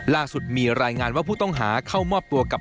ล่าสุดมีรายงานว่าผู้ต้องหาเข้ามอบตัวกับ